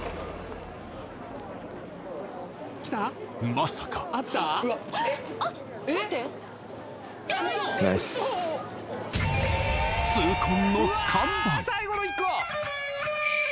まさか痛恨の完売